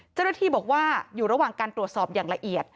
เจ้าหน้าที่บอกว่าอยู่ระหว่างการตรวจสอบอย่างละเอียด